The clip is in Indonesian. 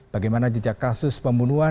bagaimana jejak kasus pembunuhan